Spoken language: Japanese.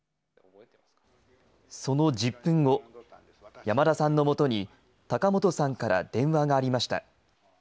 その１０分後、山田さんのもとに高本さんから電話がありました。